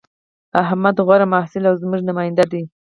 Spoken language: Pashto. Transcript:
احمد غوره محصل او زموږ نماینده دی